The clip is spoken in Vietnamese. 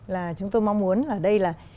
là chúng tôi mong muốn là đây là